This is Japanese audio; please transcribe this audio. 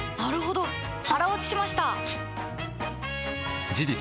腹落ちしました！